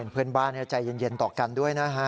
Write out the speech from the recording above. เพื่อนบ้านใจเย็นต่อกันด้วยนะฮะ